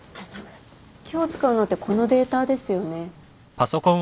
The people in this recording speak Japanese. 今日使うのってこのデータですよね？